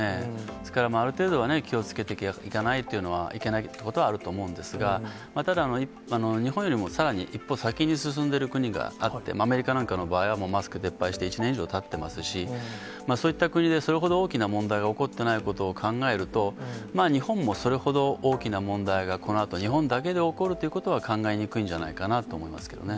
ですから、ある程度は、気をつけていかないといけないことはあると思うんですが、ただ日本よりもさらに一歩先に進んでいる国があって、アメリカなんかの場合はマスク撤廃して、１年以上たってますし、そういった国でそれほど大きな問題が起こっていないことを考えると、日本もそれほど大きな問題がこのあと、日本だけで起こるということは、考えにくいんじゃないかなと思いますけどね。